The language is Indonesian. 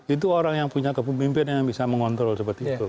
itu orang yang punya kepemimpinan yang bisa mengontrol seperti itu